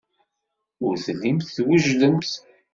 Ur tellimt twejdemt.